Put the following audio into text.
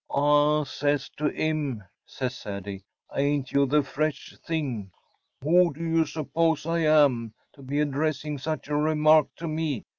“I says to ‚Äôim,‚ÄĚ says Sadie, “ain’t you the fresh thing! Who do you suppose I am, to be addressing such a remark to me?